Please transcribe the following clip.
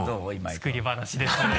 作り話ですね。